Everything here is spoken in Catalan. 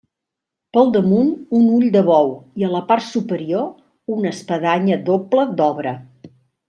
Pel damunt un ull de bou i a la part superior una espadanya doble d'obra.